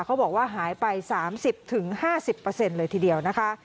เขาบอกว่าหายไป๓๐๕๐เลยทีเดียวนะคะ